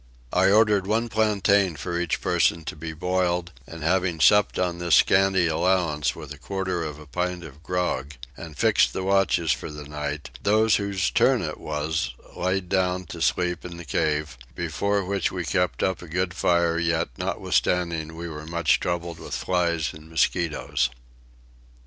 I ordered one plantain for each person to be boiled and, having supped on this scanty allowance with a quarter of a pint of grog, and fixed the watches for the night, those whose turn it was laid down to sleep in the cave, before which we kept up a good fire yet notwithstanding we were much troubled with flies and mosquitoes.